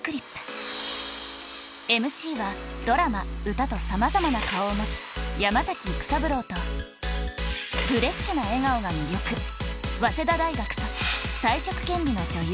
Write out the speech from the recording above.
ＭＣはドラマ歌とさまざまな顔を持つ山崎育三郎とフレッシュな笑顔が魅力早稲田大学卒才色兼備の女優